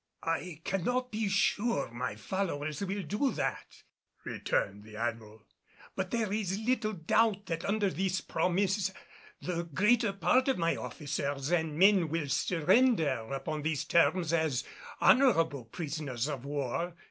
"I cannot be sure my followers will do that," returned the Admiral, "but there is little doubt that under this promise the greater part of my officers and men will surrender upon these terms as honorable prisoners of war.